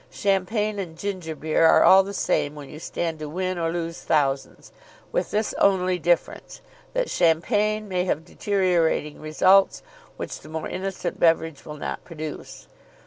Champagne and ginger beer are all the same when you stand to win or lose thousands, with this only difference, that champagne may have deteriorating results which the more innocent beverage will not produce.